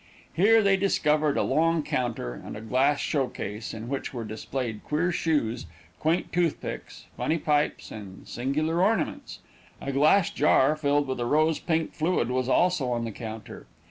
Here they discovered a long counter, and a glass show case, in which were displayed queer shoes, quaint tooth picks, funny pipes, and singular ornaments. A glass jar, filled with a rose pink fluid was also on the counter.